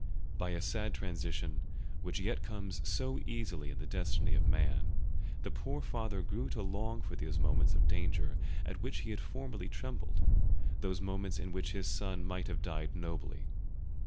By a sad transition, which yet comes so easily in the destiny of man, the poor father grew to long for those moments of danger at which he had formerly trembled, those moments in which his son might have died nobly.